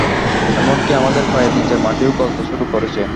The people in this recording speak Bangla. এমনকি আমাদের পায়ের নিচের মাটিও গলতে শুরু করেছে।